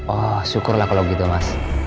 oh syukurlah kalau gitu mas